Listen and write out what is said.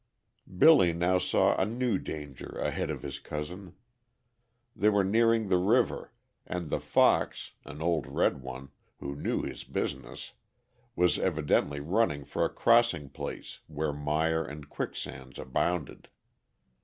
Billy now saw a new danger ahead of his cousin. They were nearing the river, and the fox, an old red one, who knew his business, was evidently running for a crossing place where mire and quicksands abounded.